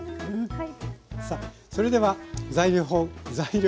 はい。